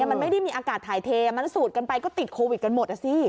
มันไม่ได้มีอากาศถ่ายเทมันสูดกันไปก็ติดโควิดกันหมดอ่ะสิ